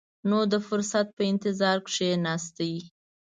نو د فرصت په انتظار کښېناست.